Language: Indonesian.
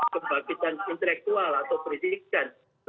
kebangkitan intelektual atau berwakan